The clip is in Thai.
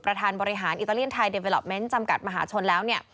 ประธานบริหารอิตาเลียนไทยเดเวลอปเมนต์จำกัดมหาชนแล้วเนี่ย